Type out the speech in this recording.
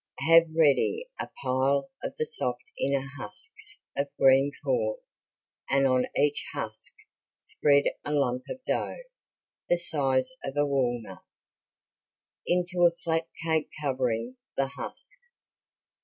Have ready a pile of the soft inner husks of green corn and on each husk spread a lump of dough, the size of a walnut, into a flat cake covering the husk.